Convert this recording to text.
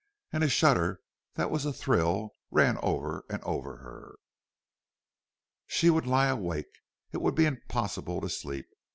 And a shudder that was a thrill ran over and over her. She would lie awake. It would be impossible to sleep.